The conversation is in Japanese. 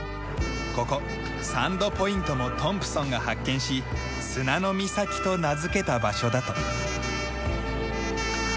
ここサンドポイントもトンプソンが発見し「砂の岬」と名付けた場所だと。